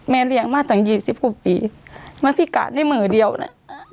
แม่เรียกมาตั้ง๒๐กว่าปีไม่มีการที่มือเดียวนะ